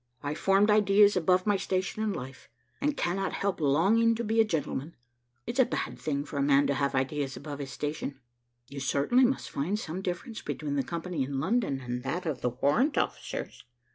I formed ideas above my station in life, and cannot help longing to be a gentleman. It's a bad thing for a man to have ideas above his station." "You certainly must find some difference between the company in London and that of the warrant officers."